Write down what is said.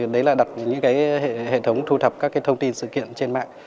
đấy là đặt những hệ thống thu thập các thông tin sự kiện trên mạng